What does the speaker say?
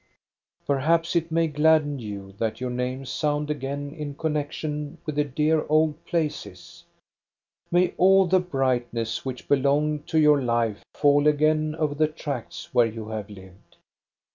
Perhaps it may gladden you that your names sound again in connection with the dear old places.? May all the brightness which belonged to your life fall again over the tracts where you have lived